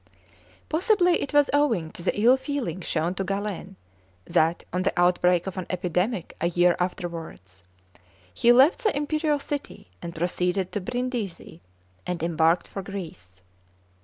Possibly it was owing to the ill feeling shown to Galen that, on the outbreak of an epidemic a year afterwards, he left the imperial city and proceeded to Brindisi, and embarked for Greece.